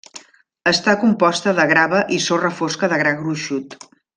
Està composta de grava i sorra fosca de gra gruixut.